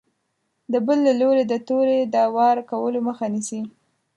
د بل له لوري د تورې د وار کولو مخه نیسي.